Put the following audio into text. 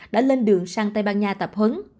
đã lên đường sang tây ban nha tập huấn